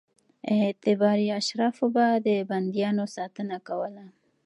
اعتباري اشرافو به د بندیانو ساتنه کوله.